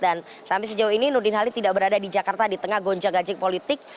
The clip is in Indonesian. dan sampai sejauh ini nurdin halid tidak berada di jakarta di tengah gonca gajik politik